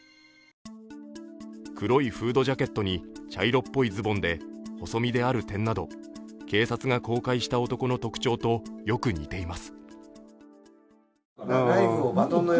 黒いフードジャケットに茶色っぽいズボンで細身である点など警察が公開した男の特徴とよく似ています。